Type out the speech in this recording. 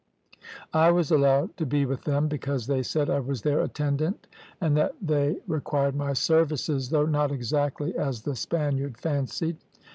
I was allowed to be with them, because they said I was their attendant and that they required my services, though not exactly as the Spaniard fancied.